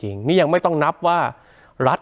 อันนี้ยังไม่ต้องนับว่ามันรัฐ